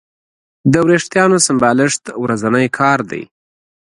د وېښتیانو سمبالښت ورځنی کار دی.